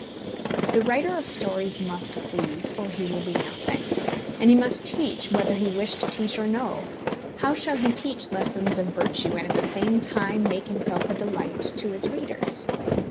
The writer of stories must please, or he will be nothing. And he must teach whether he wish to teach or no. How shall he teach lessons of virtue and at the same time make himself a delight to his readers?